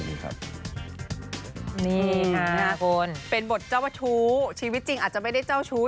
นี่ค่ะคุณเป็นบทเจ้าชู้ชีวิตจริงอาจจะไม่ได้เจ้าชู้